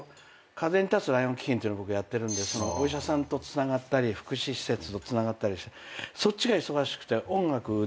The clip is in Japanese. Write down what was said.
風に立つライオン基金っていうの僕やってるんでお医者さんとつながったり福祉施設とつながったりしてそっちが忙しくて音楽できてなかった。